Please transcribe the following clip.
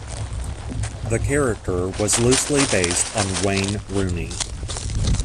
The character was loosely based on Wayne Rooney.